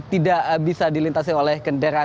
tidak bisa dilintasi oleh kendaraan